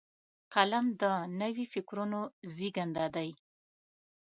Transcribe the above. قلم د نوي فکرونو زیږنده دی